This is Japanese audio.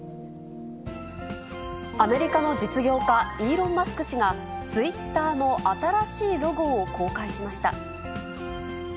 アメリカの実業家、イーロン・マスク氏が、ツイッターの新しいロゴを公開しました。